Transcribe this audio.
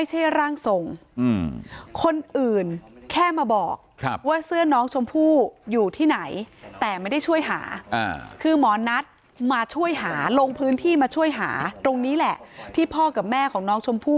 ตรงนี้แหละที่พ่อกับแม่ของน้องชมพู่